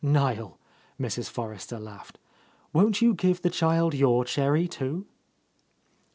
"NIel," Mrs. Forrester laughed, "won't you give the child your cherry, too?"